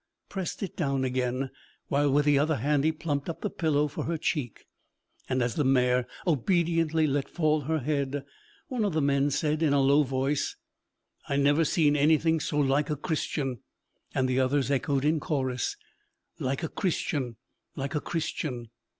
pressed it down again, while with the other hand he plumped up the pillow for her cheek. And, as the mare obediently let fall her head, one of the men said in a low voice, 'I never see anything so like a Christian!' and the others echoed, in chorus, 'Like a Christian like a Christian!'